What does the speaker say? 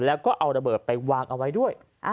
แล้วก็เอาระเบิดไปวางเอาไว้ด้วย